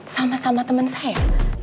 sama sama temen saya